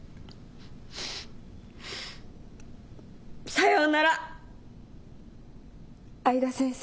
さようなら愛田先生。